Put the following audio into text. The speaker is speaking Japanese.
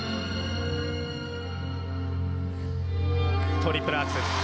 トリプルアクセル。